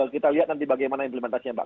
kita lihat nanti bagaimana implementasinya mbak